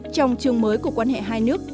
trong trường mới của quan hệ hai nước